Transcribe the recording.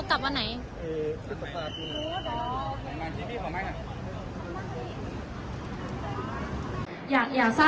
คุณอยู่ในโรงพยาบาลนะ